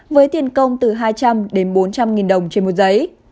với tiền công từ hai trăm linh đến bốn trăm linh nghìn đồng trên một giấy